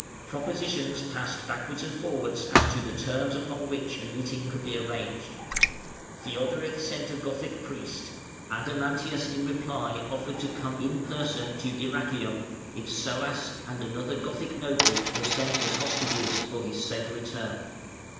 Propositions passed backwards and forwards as to the terms upon which a meeting could be arranged. Theodoric sent a Gothic priest; Adamantius in reply offered to come in person to Dyrrhachium if Soas and another Gothic noble were sent as hostages for his safe return.